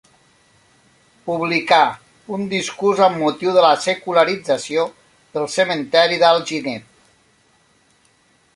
Publicà un discurs amb motiu de la secularització del cementeri d'Alginet.